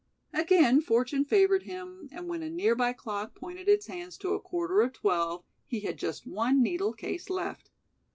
Again fortune favored him and when a nearby clock pointed its hands to a quarter of twelve he had just one needle case left.